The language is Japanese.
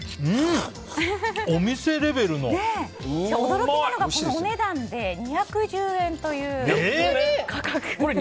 驚きなのが、このお値段で２１０円という価格。